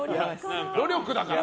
努力だから。